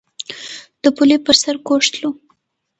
د پولې پر سر کوږ تلو.